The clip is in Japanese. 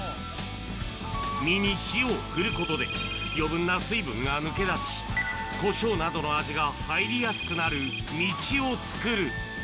身に塩を振ることで、余分な水分が抜け出し、コショウなどの味が入りやすくなる道を作る。